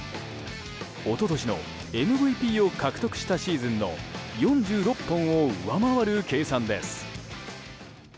一昨年のＭＶＰを獲得したシーズンの４６本を上回る計算です。